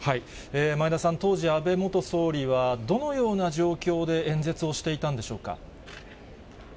前田さん、当時、安倍元総理は、どのような状況で演説をしていたんでしょうか？